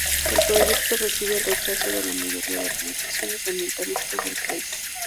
El proyecto recibe el rechazo de la mayoría de organizaciones ambientalistas del país.